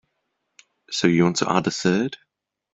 So you want to add a third?